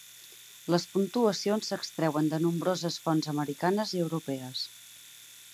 Les puntuacions s'extreuen de nombroses fonts americanes i europees.